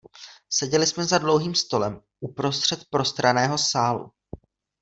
Seděli jsme za dlouhým stolem uprostřed prostranného sálu.